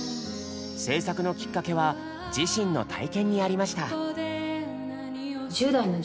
制作のきっかけは自身の体験にありました。